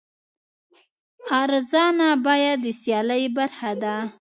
ارزانه بیه د سیالۍ برخه ده.